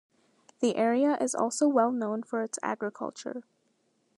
The area is also well known for its agriculture.